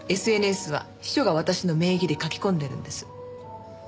ＳＮＳは秘書が私の名義で書き込んでいるんです。